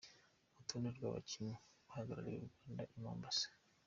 Urutonde rw’abakinnyi bahagarariye u Rwanda i Mombasa.